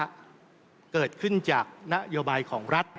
เกิดขึ้นจากนโยบายของรัฐ